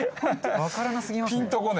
わからなすぎますね。